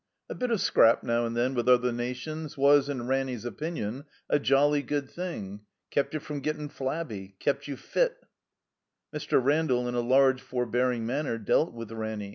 A bit of scrap, now and then, with other nations was, in Ranny's opinion, a jolly good thing. Kept you from gettin' Flabby. Kept you Pit. Mr. Randall, in a large, forbearing manner, dealt with Ranny.